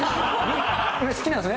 お好きなんですね。